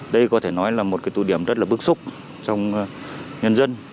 đây có thể nói là một tụ điểm rất bước xúc trong nhân dân